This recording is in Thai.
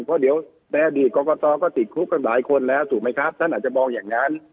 เพราะเดี๋ยวแรดีก์กรกฎอตร์ก็ติดคลุกกับหลายคนถูกมั้ยครับท่านอาจะบอกอย่างนั้น